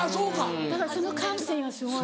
だからその感性がすごい。